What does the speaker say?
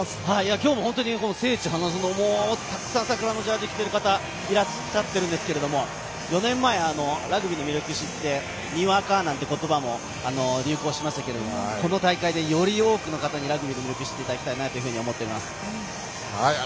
今日も本当に聖地、花園たくさん桜のジャージを着ている方がたくさんいらして４年前、ラグビーの魅力を知って「にわか」なんていう言葉も流行しましたけどこの大会でより多くの方にラグビーの魅力を知っていただきたいと思います。